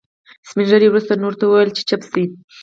سپين ږيري وروسته نورو ته وويل چې چوپ شئ.